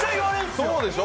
そうでしょう。